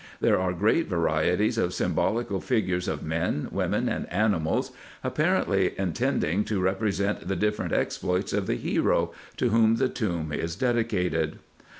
There are great varieties of symbolical figures of men, women, and animals, apparently intending to represent the different exploits of the hero, to whom the tomb was dedicated.